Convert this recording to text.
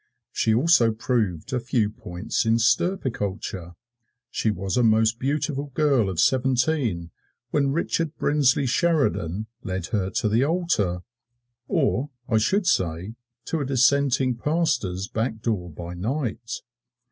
She also proved a few points in stirpiculture. She was a most beautiful girl of seventeen when Richard Brinsley Sheridan led her to the altar, or I should say to a Dissenting Pastor's back door by night.